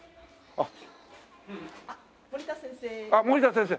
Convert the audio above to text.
あっ森田先生